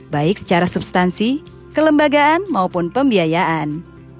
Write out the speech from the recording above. baik secara substansi kelembagaan maupun pembiayaan